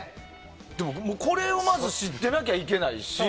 これをまず知ってなきゃいけないし。